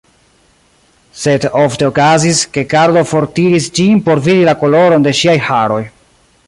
Sed ofte okazis, ke Karlo fortiris ĝin por vidi la koloron de ŝiaj haroj.